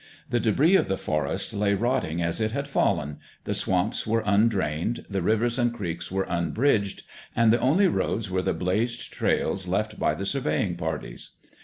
The debris of the forest lay rotting as it had fallen, the swamps were undrained, the rivers and creeks were unbridged, and the only roads were the blazed trails left by the surveying parties.